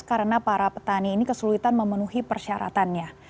karena para petani ini kesulitan memenuhi persyaratannya